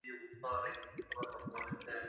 Mpige picha kevin alafu unitumie